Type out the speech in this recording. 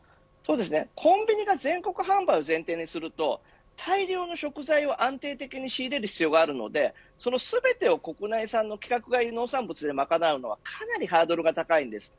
コンビニが全国販売を前提にすると大量の食材を安定的に仕入れる必要があるのでその全てを国内産の規格外農産物で賄うのはかなりハードルが高いんです。